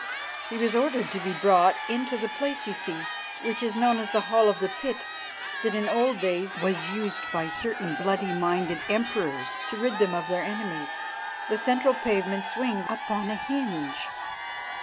He was ordered to be brought into the place you see, which is known as the Hall of the Pit, that in old days was used by certain bloody minded emperors to rid them of their enemies. The central pavement swings upon a hinge.